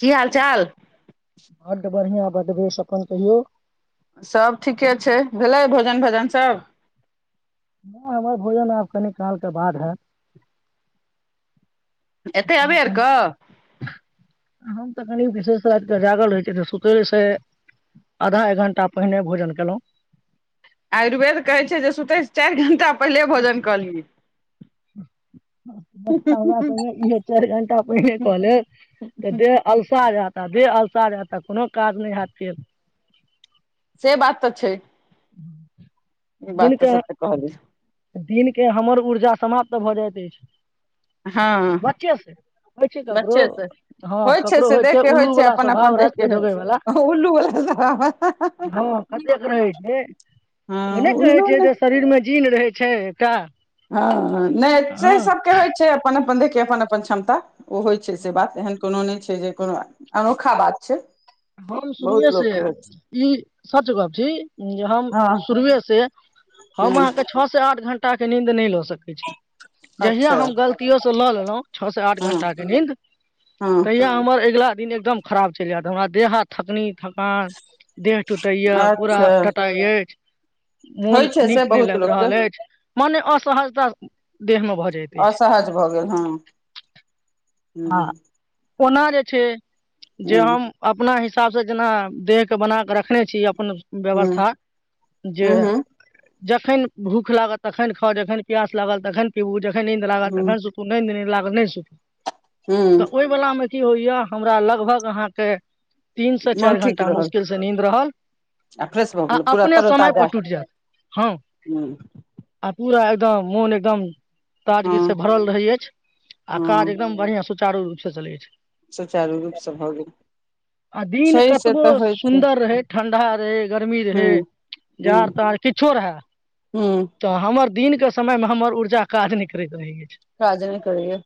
की हाल चाल। बड्ड बढ़िआं बदबश अपन कहियौ। सब ठीके छै भेलै भ। भजन भजन सब। नहि हमर भोजन आब कनि कालके बाद हैत। एते अबै आर कनि- कऽ। हम तऽ कनि विशेष रातिके जागल रहै छियै तऽ सुतयसँ आधा एक घण्टा पहिने भोजन कयलहुँ। आयुर्वेद कहैत छै जे सुतै छै चारि घण्टा। पहिले भोजन कलिय। ह। बच्चा हमरा से इ चारि घं्टा पहिने कहले तऽ देह अलसा जा। ताद अलस हय तऽ कोनो काज नहि हत फ। से बात तऽ छै। ई बात तऽ सत कहली। दिनके हमर ऊर्जा समाप्त भऽ जायइत अछि। हँ बच्चे से होइ छै ककरो बच्चे से हँ ककरो से होइ देख छै के उल्लू वला अपन अपन स्वभाव देख रातिक के होइ ढगे वालला छै उल्लू वला सब हँ कत रहै छै हँ ओने कहै उल्लू छै ने जे शरीर मे जीन रहै छै। छै क। हँ नहि से सबके होइ छै अपन अपन देख। अपन अपन क्षमता। ओ होइ छै से बात एहन कोनो नहि छै। से जे कोनो अनोखा बात छै। हम शुरुए बहुत लोक से के होइ छै ई सच गप छी जे हम हँ शुरुए से हम ह अहाँके छ से आठ घं्टा ताके नीदे नहि ल। सकै छी जहिया अच्छा हम गलतियोसँ लऽ लेलहुँ छओ से आठ हँ घण्टाके नीन्द हँ तहिया हमर अगिला। दिन एकदम खराब चलि जायत हमरा। देहा थकनी। थकान देह टूटे या पूरा अच्छा टटा अछि। होइ मोन छै से नीक नहि बहुत लागि लोकके रहल अछि। मने असहजता। देह मे भऽ जाइत अछि असहज भऽ गेल हँ। हू आ ह। ओना जे छै। ह जे हम अपना हिस। हिसाबसँ जेना देह के बना कऽ रखने छी। अपन व्यवस्था ह जे। ह जखन भूख लागल तखन खाउ जखन प्यास लागल तखन पिबू जखन। नंद ह लागल ह तखन त नंद नहि लागल। कर नहि सु। तऽ ह ओहि वलामे। अथी होइया हमरा लगभग अहाँके। तीन से मोन चारि ठीक घं्टा रहल मुश्किल से नीद रहल आ फ्रेश भऽ आ गेल पूरा अपने समय तरोताजा पर टूटि जायत हँ ह आ पूरा। एकदम मन एकदम। ताजगी से हँ भरल रहै अछि। आ काज हँ एकदम बढ़िआँ। सुचारू रूप से चलै छै। सुचारू रूपसँ भऽ गेल। आ दिन छै से कतबो तऽ होइ छै सुन्दर रहै ठण्ढा रहै गरमी रहै ह्म जाड़ ह्म तड़ किछो रहए। ह्म तऽ हमर दिन क। समय में हमर ऊर्जा काज नहि करैत रहैय। राजाज नहि करौ ह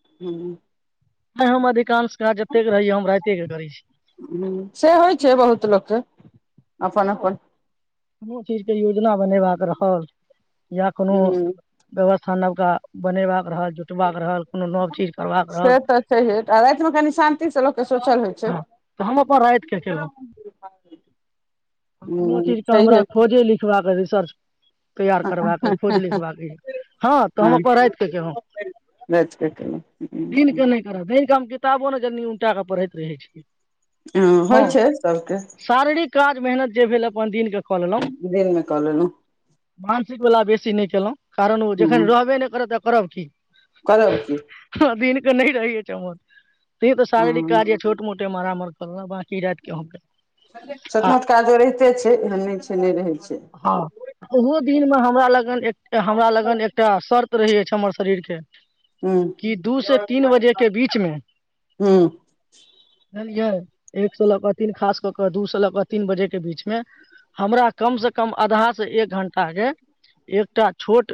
ह हम, अधिकांश काज जतेक रहैया हम राइते के करै छी ह से होइ छै, बहुत लोकके। अप- अपनन -अपनन! हठीर कहि यो! य बने रहल या कोनो ह्म व्यवथा। खान नवका बनेवा के रहल छै। से तऽ छै,, रतमे कनि शान्तिसँ लोक हँ तऽ हम अपन रति के केलहुँ, अपनो ह्म चीज के हमरा छैहे खोजे लिखबाक सर तैयार करबाक ह! खोज लिखबाक हम हँ अपन रात के क केलउ, राइत के दिन केलहुँ के नहि कर द तबो ने जनी उटााकऽ पढैत! ै छै। होइ हँ छै सभके शारीर काज, मेहनत जे भेल म दिन क। क लेलहुँ, दिनमे कऽ लेलहुँ मानसिक वला बेसी ी नहि केलहुँ। कारण ओ जेखन रहबे नहि करत त करब की! करबर की! अधीन के रहहिए चमक। त तऽ साररिक! हँ कार्य छोट मोट म मर करना बाकी रात केे हम केलउ। छोट मोट काजो रहिते छै, एहन नहि छै। तने रहै। छै हँ ओहो दिनमे हमरा लग, एक हमरा लगन एकटा शर् रहै अछि छै, हमर शरीर के। हूँ कि! दू से तीन बजे के बीचमे, हूँ बुझलियै। एक स लऽ कऽ तीन खास कऽ कऽ दू स लऽ कऽ तीन बजे के बीच मे, हमरा कम से कम कम आधा से एक घं्टा के, एकटा छोट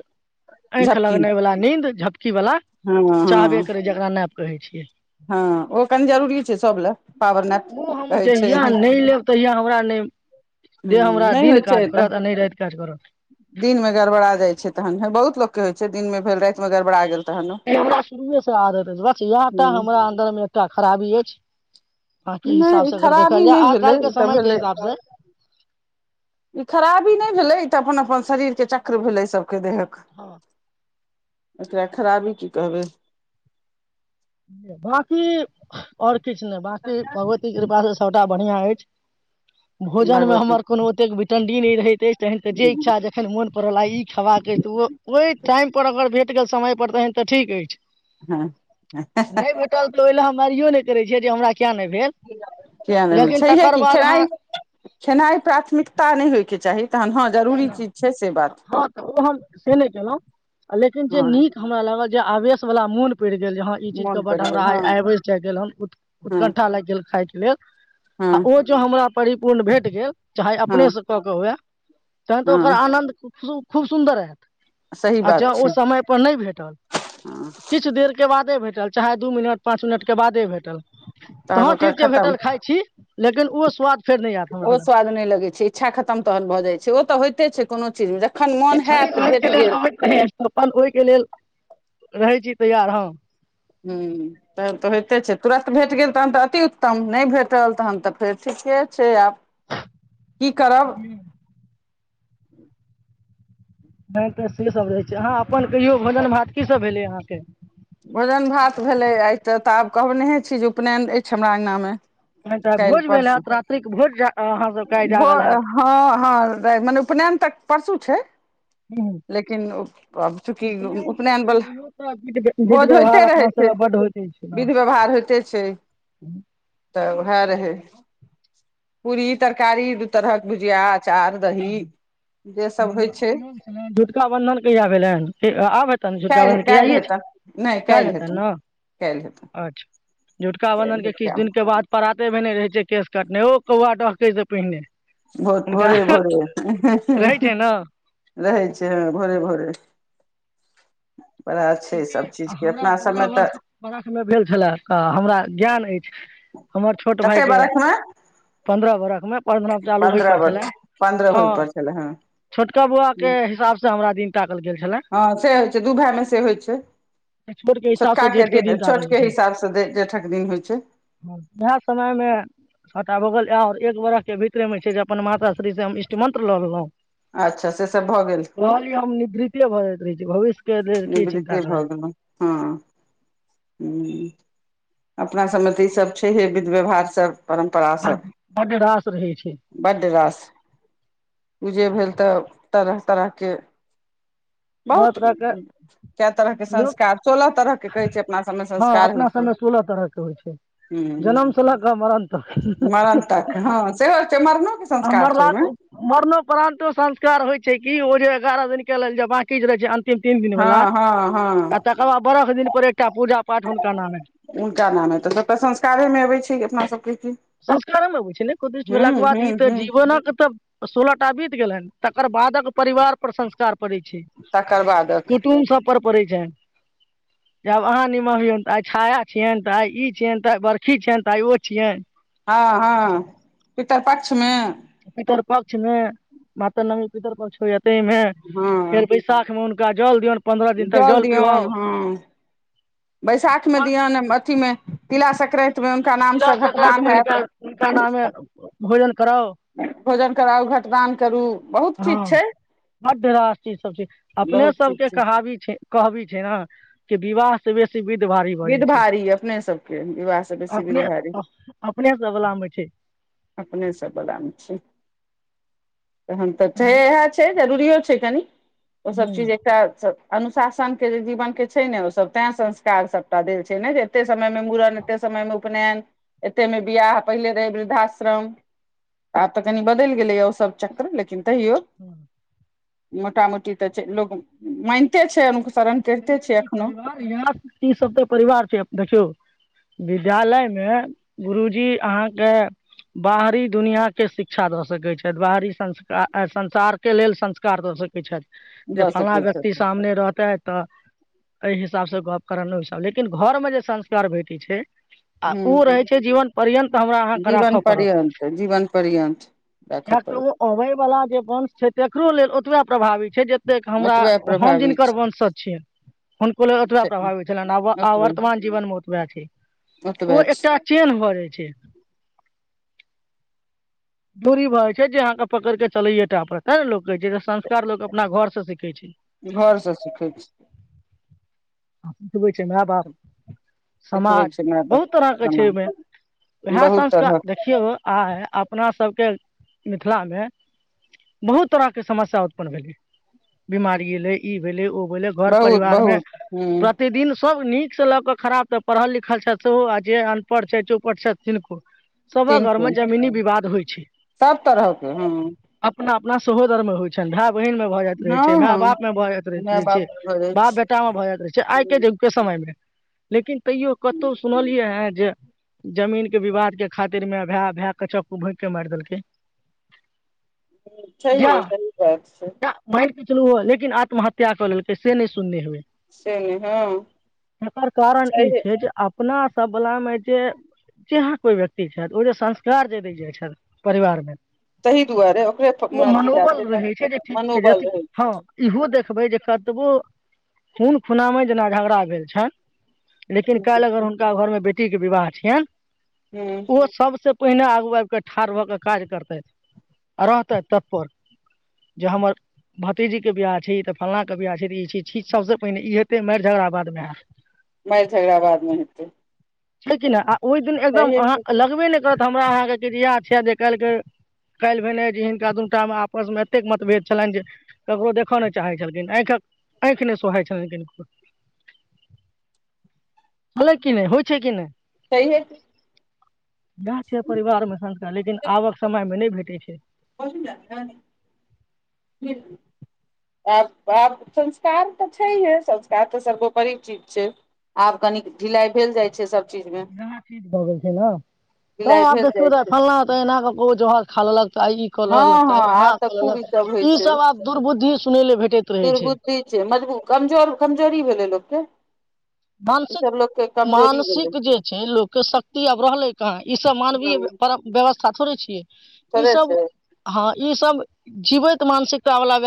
आँखि झपकी लगने वालला नींद, झ की वला हँ हँ चाहबे करै जेकरा कहै छियै। हँ, ओ कनी जरूरी छै, सभ लए। पावर नैप मुह हम कहै छै जहिया हूँ नहि लेब, तहिया हम ओरा नहि। देह हमरा दिन काज करत आ नहि राति काज करत।। दिन मे गड़बड़ा जाइत छै तहन बहुत लोक के होइ छै दिन मे भेल राति मे गड़बड़ा गेल। तहन ओ हमरा शुरुएसँ आदत अछि, बस इएह टा हूँ हमरा अन्दरमे एकटा खराबी अछि, बकी नहि ई हिसाबसँ अगर खराबी देखल नहि जाय आइ भेलै काल्हिके ई तऽ समयके भेलै हिसाबसँ ई खराबी नहि भेलै तऽ अपन अपन शरीरके चक्र भेलै सभ। के दे हक। हँ एकरा खराबी की कहबै। बाँकी आओर। किछु ने बंकी भगवती कृपास से सबटा बढ़ियां अछि। भोजन मे भगवती हमर कोनो ओत विटण। निर् रहहित। तहन के जे इच्छा जखन मोन परड़ला ई खेबाका के त ओहि टाइम पर अगर भेट। आट समय पर तहन तऽ ठीक अछि। हँ। नहि बो चल त। ओहि ल हम मारियो नहि करै छिय जे हमरा। किया नहि भेल नहि भेल लेकिन छैे तकर बाद खेनाइ खेनाइ प्राथमिकता नहि होइ छै। के चाही। तहन हँ जरूरी चीज छै से बात हँ त ओ हम से नहि केलहुँ लेकिन जे हँ नीक हमरा लागल। आवेश वला मून पर। पि गेल जे ह ई चीज मोन के बड पड़ि हमरा गेल हँ आबे गेल हँ उतकंठा लागि गेल खाायके। नहि। आ हँ ओ जो हमरा परिपूर्ण भेट गेल चाहे अपने हँ से कऽ के हुए। त तऽ ओकर हँ आनन्द खू। खूब सुन्दर ह। सही आ जँ बात ओ छै समय पर नहि भेटल हँ किछु देर के बाद। भेटल चाहे दू मिनट। पाँच मिनट के बादे भेटल त तहन हॅ ओकर ठीक छै खतम भेटल खाइ छी। लेकिन ओ स्वाद। फेर नहि आयत हमरा ओ लग स्वाद न नहि लगे छै इच्छा खतम तहन भऽ जाइ छै। ओ तऽ होइइत छै कोनो चीज। लेल ओहिके लेल रहै छी। तयार हँ। हूँ तखैन त अतिउत्तम, नहि भेटल तखन त फेर ठीके छै आब की करब ह्म [unintelligible] नै त से सब रहैत छै अहाँ अपन कहियौ भोजन भात की सस भेलै अहाँके भोजन भात भेलै आइ तऽ तऽ आब कहनहे छी जे उपनयन अछि हमरा अङ्गनामे। तहन तऽ काल्हि भोज भेल परस हैत रात्रिक भोज जा अहाँ सबके आइ भो जागल हैत हँ हँ मने उपनयन तक। परसु छै? हूँ लेकिन, आब चूंकि से उपनयन वला पहिलहियो तऽ विध विध भोज होइते व्यवहार रहै अपना छै, सबमे बड्ड होइत अछि ने विध व्यवहार होइते छै, त वएह त रहै, पुरी तरकारी दु तरहक भुजिया अचार दही जे सब होइ छै झुटका बन्धन कहिया भेलनि कि आब हेतैन काल्हि झुटकाबन्धन, कि काल्हि आइये जैन। हेतनि नहि काल्हि हेतनि ने, काल्हि हेतनि अच्छा, झुटका बन्धनके किछु दिनके बाद पराते भेने रहैत छै केस कटने ओ कौआ डहकै से पहिने भ हुनका भोरे भोरे छै ने रहै छै हँ भोरे भोरे बड़ा छै सब चूँकि चीज के हमरा अपना पन्द्रह सबमे तऽ बर्ष बरखमे भेल छले आ हमरा ज्ञान अछि हमर छोट कते भाईके बरख मे पन्द्रह बरखमे पन्द्रहम चालू होइ पन्द्रह पर छले, बरख पन्द्रह होइ हँ पर छलै हँ छोटका बौआ के हिसाबसे हमरा दिन ताकल गेल छले। हँ से होइ छै दू भाय मे से होइ छै बचकन के हिसाब से छोटका जेठ के दिन ताकल छोट जाइ के छै। हिसाब से जेठक दिन होइ छै वैह समय मे सबटा भ गेल और एक बरख के भितर में छै जे अपन माता श्री से हम इष्ट मंत्र ल लेलौं। अच्छा, से सभ भ गेल। सेहो भ जाइत रहै छै भविष्य के लेल के निब चिन्ता करै रीतिरबौ गेल हँ ह [unintelligible] अपना सभमे त ईसभ छैहे विध व्यवहार सब परम्परा सब, बड्ड रास रहै छै बड रास जे भेल त तरह तरहके तरह बहुत तरह के कए तरह के लोक संस्कार, सोलह तरह के कहै छै अपना सबमे हँ संस्कार होइ अपना छै, सबमे सोलह तरह के होइ छै हां जनम से लऽ कऽ मरण तक मरण तक, हँ सेहो छै मरणो के त आ मरलाके, मरनोपरान्तो संस्कार होइ छै। की ओ जे एगारह दिन के लेल जे बांकी जे रहै छै तीन तीन दिन हँ वला हँ आ हँ तकर बाद बरख दिन पर एक उनका नाम ह तऽ सब संस्कारे मे अबै छै अपना सबके। की संस्कारेमे अबै छै ने कुदृष्ट हूं भेलाके बाद हूं ई तऽ हूं जीवनक तऽ सोलह टा बीत गेलै ह। तकर बाद। परिवार पर संस्कार पड़ै छै तकर बादक कुटुम्ब सब पर। पड़ै छनि जे आब अहाँ निमहयौन त आइ छाया छियनि त आइ ई छियअनि त आइ बरखी छियनि त आइ ओ छियअनि। हां हां, पितर पक्षमे। क्षमे मातर नवमी पितर पछ होइये। तै मे हँ फेर बैसाख मे। गाजालदिय। जल दियऔन हँ बैसाखमे दिऔन अथिीमे। तिल अा करै। हुनका तिला नामसँ संक्रान्ति घटदान मे हिनका हत। हुनका नामे भोजन कराउ भोजन कराउ घटदान। करू। बहुत चीज हँ छै बड बेरास चीज सब छै अपने बहुत चीज सबके छै कहावी छै। कहबी छै ने कि विवाह से बेस। विध भारी अपने सबके विवाहसँ बेसी विध अपने भारी अपने सब वला मे छै अपनेसभवलामे छी। तन तऽ छै इएह छै जरूरिो छै कनि। ओ सब चीज हूँ एकटा। अनुशासन के जे जीवन के छै ने ओ सब तें संस्कार सब। देल छै ने जे एते समय मे मड़न एते समय मे उपनयन एते मे बिियाह पहिले रहे वृद्धाश्रम आब तऽ कनी बदलि गेलै या ओ सब चक्र लेकिन। तहियौ। मोट मोटी तऽ लोक मानिते छै। अनुसरण करिते छै की एखनो परिवार यहाँ ईी सब त। परिवार छी देखियौ विद्यालयमे गुरुजी अहाँके बाहरी दुनिआँके शिक्षा दऽ सकै छथि बाहरी संस्कारा संसारके लेल संस्कार दऽ सकै छथि। जे दऽ फलना सकैत व्यक्ति छथिन सामने रहतेै। एहि हिसाब से गप कर हसाब लेकिन घर मे जे संस्कार भेटी छै। आ ओ हूँ रहै छै जीवन पर्यन्त हमरा अहाँके जीवन राखऽ पड़त पर्यन्त जीवन पर्यन्त राखऽ किय तऽ पड़त ओ अबै वला जे वंश छै तकरो लेल प्रभावित। छै जतेक हमरा ओतबे हम प्रभावी जिनकर वंश। हुनको लेल ओतबा छै प्रभावित छलनि आ आ ओतबे वर्तमान जीवनमे ओतबा छै ओतबे ओ एकटा छै चेहह भऽ जाइत छै। दूरी भऽ जा छै जे अहाँके पकड़ि कऽ चलैयए टा पड़त तें ने लोक कहै छै संस्कार लोक अपना घरसँ सीखैत छै। घरसँ सिखै छी। ह। बबै छै मााय बाप सिखबै समाज छै मैडम बहुत तरहके छै समान ओहिमे वएह बहुत तरहक संस्कार देखियौ। आइ अपना सबके मिथिलामे बहुत तरहके समस्या उत्पन्न भेलै बीमारी एलै ई भेलै ओ। बहुत -बहुत ह। त सब नीक से लऽ क खराब तऽ पढ़ल लिखल छथि सेहो आ जे अनपढ़ छथि चोपढ़ छथि किनको। सब घर तीनगो मे जमीनी विवाद होइ छै सब तरहके हँ अपना अपना सहोदर मे होय छैन भाए बहिन में भ जाइत रहे हँ छै, माय- हँ बाप में भए जाइत रहे माय रहेत बाप छै, निर्भर बाप अछि -बेटा में भए जात रहे आइ के हूँ जुग के समय मे लेकिन तैयो कतौ सुनलियै हे जे जमीन के विवाद के खातिर मे भाए भाए के चक्कु भोक के मार देलकै। छेयै सही बात छै। ई चलु लेकिन आत्महता कऽ लेलकै से नै सुनने हेबै। से नहि हँ एकर कारण ई छैहे छै जे अपना सब बलामे जे जहाँ कोइ व्यक्ति छल उ जे संस्कार जे दै जाइ छल परिवार मे तहि दुआरे ओकरे थो ओ मे अथी जाय मनोबल छै न रहै जे ठीक छै जथि मनोबल रहै हँ छै। इहो देखबै जे कतबो खुन खुनामे जेना झगड़ा भेलछन लेकिन छै काएल अगर हुनका घरमे बे बेटी के विवाह छीयै। हूँ ओ सबसे पहिने आगू आब कऽ ठाड़ भऽ के काज करतै आ रहतै तत्पर जे हमर भतीजी के बियाह छी तऽ फलना के बियाह छी त ई चीज चीज सबसँ पहिने इहे फेर मार झगराबादमे हैत। माएर झगड़ा बादमे हेतै। छै कि नै अ ओय दिन एकदम छैहे की अहाँ लगबे नै करत त हमरा अहाँके किछ याद छै जे कहलके जे काएल भेलै जे हिनका दुनुटा मे आपस मे एतेक मतभेद छलैन जे ककरो देखऽ नै चाहै छलखिन्ह ऐखक ऐख नै सोहाइ छलखिन्ह छले की नै हो छै कि नै। छैहिए गाअ के परिवार में संस्कार लेकिन आबक समय में नै भेट [unintelligible] पहिला तै आब आब संस्कार तऽ छहीए संस्कार तऽ सर्वोपरि चीज छै आब कनीक ढिलाए भेल जाइ छै सब। भऽ गेल छै नै त ढिलाइ आब भेल जाइ देखियौ तै छै फलना तै एहना के ओ जहर खा लेलक त आय ई हँ खोलल कै, हँ ऐना आब तऽ खोलल, खूब ई सब होइ ई छै सब आब दुर्बुद्धि सुनै ले भेटैत रहै छै। दुर्बुद्धि छै मजबू कमजोर कमजोरी भेलै लोकके। ई मानसिक सब लोकके कमजोरी भेलै मानसिक जे छै लोकके शक्ति आब रहलै कहाँ ई सब मानवीय हँ परम व्यवस्था थोड़े छीयै। ई थोड़े सब छै हां ई सब जीबैत त मानसिक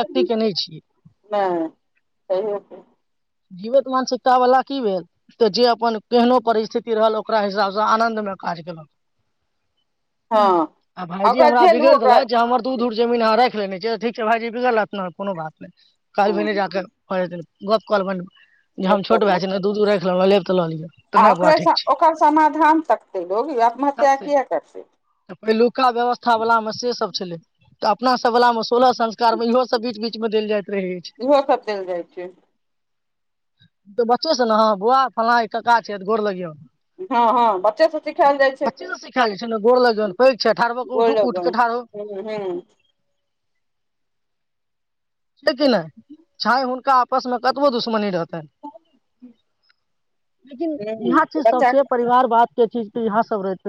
अभी के, नै तहयौके - जीवित मानसिकता वला की भेल तऽ जे अपन केहनो परिस्थिति रहल ओकरा हिसाबसँ आनन्दमे काज केलक। हँ आ भायजी ओकरा हमरा झेलू बिगड़ ओकरा देलक जे हमर दू धुर जमीन अहाँ राएख ठीक छै भायइी बिगलत कोनो बात। काल हँ भने जााके। [unintelligible] कोल बन। हम छोट भए छै ने दू दूर खले। आ ओकरे ओकर समाधान तकतै लोकग आत्महत्या छै किए करतै। तऽ पहिलुका व्यवस्था वला मे से सब छलै तऽ अपना सब वाल में सोलह संस्कार मे इहो सब बीच -बीच मे देल जाय। इहो सबचल जाइ छै। तऽ बच्चो छ ने ह बौआ फल्ला कक्का छैऽ गोड़ लगियौ। हँ- हँ बच्चे सब सिखायल जाइ छै बच्चे की से सिखायल जाइ छै ने गोर लगियौन पैघ छै ठाढ़ भऽ कऽ उठू बोलो उठ ग के ठाढ़ होउ ह -ह। छै कि नई चाहे हुनका आपसमे कतबो दुश्मनी रहतन। लेकिन हूं यहाँ चीज सब बच्चा छै परिवार बाद के चीज के यहा सब रहे छै।